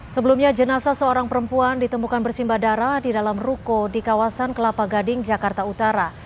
sebelumnya jenazah seorang perempuan ditemukan bersimba darah di dalam ruko di kawasan kelapa gading jakarta utara